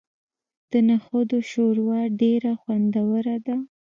د نخودو شوروا ډیره خوندوره ده.